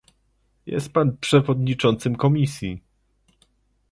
Jest Pan przewodniczącym komisji